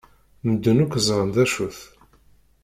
Medden akk ẓran d acu-t.